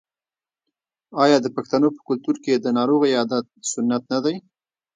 آیا د پښتنو په کلتور کې د ناروغ عیادت سنت نه دی؟